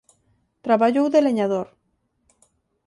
Traballou de leñador.